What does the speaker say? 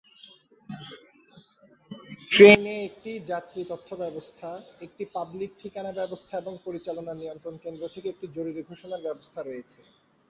ট্রেনে একটি যাত্রী তথ্য ব্যবস্থা, একটি পাবলিক ঠিকানা ব্যবস্থা এবং পরিচালনা নিয়ন্ত্রণ কেন্দ্র থেকে একটি জরুরী ঘোষণার ব্যবস্থা রয়েছে।